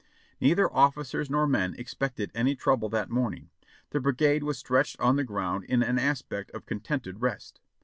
"Neither officers nor men expected any trouble that morning. The brigade was stretched on the ground in an aspect of contented rest.